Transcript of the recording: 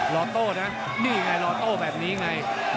รอโต้นะนี่ไงรอโต้แบบนี้ไง